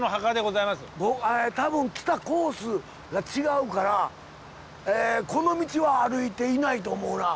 多分来たコースが違うからこの道は歩いていないと思うな。